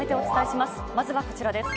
まずはこちらです。